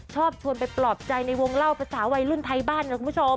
ชอบชวนไปปลอบใจในวงเล่าภาษาวัยรุ่นไทยบ้านนะคุณผู้ชม